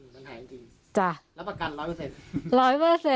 มันหายจริงแล้วประกันร้อยเปอร์เซ็นต์